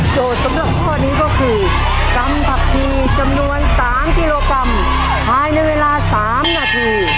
โจทย์สำหรับพ่อนี้ก็คือกรำผักผีจำนวนสามกิโลกรัมภายในเวลาสามนาที